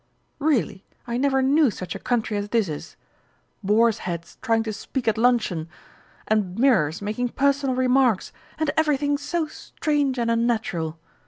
Really, I never knew such a country as this is! Boar's heads trying to speak at luncheon, and mirrors making personal remarks, and everything so strange and unnatural!